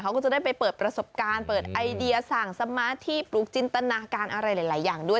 เขาก็จะได้ไปเปิดประสบการณ์เปิดไอเดียสั่งสมาธิปลูกจินตนาการอะไรหลายอย่างด้วย